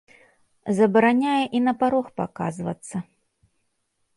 Забараняе і на парог паказвацца.